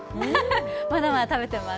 まだまだ食べてます。